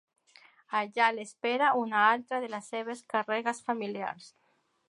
Allà l'espera una altra de les seves càrregues familiars.